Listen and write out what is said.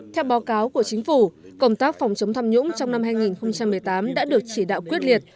theo báo cáo của chính phủ công tác phòng chống tham nhũng trong năm hai nghìn một mươi tám đã được chỉ đạo quyết liệt